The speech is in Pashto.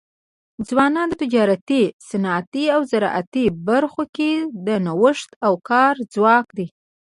ځوانان د تجارتي، صنعتي او زراعتي برخو کي د نوښت او کار ځواک دی.